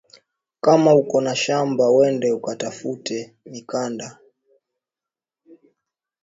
Kama uko na shamba wende katafute mikanda